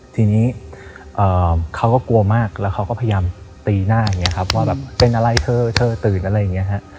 ทีนี้เขาก็กลัวมากแล้วเขาก็พยายามตีหน้าอย่างนี้ครับว่าแบบเป็นอะไรเธอเธอตื่นอะไรอย่างนี้ฮะ